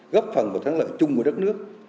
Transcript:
góp phần một tháng lận